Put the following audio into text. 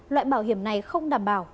loại bảo hiểm này không đảm bảo